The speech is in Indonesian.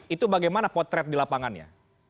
itu bagaimana potret di lapangannya